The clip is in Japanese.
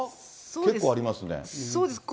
結構ありますね。